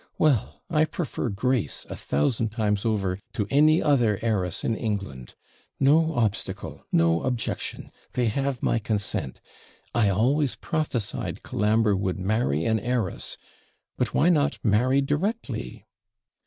Well! I prefer Grace, a thousand times over, to any other heiress in England. No obstacle, no objection. They have my consent. I always prophesied Colambre would marry an heiress; but why not marry directly?'